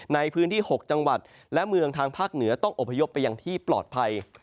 ในพื้นที่๖จังหวัดและเมืองทางภาคเหนือต้องอบพยพไปอย่างที่ปลอดภัย